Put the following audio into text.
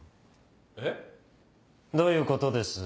えっ？どういうことです？